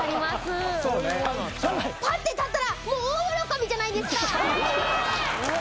パッて立ったらもう大喜びじゃないですか。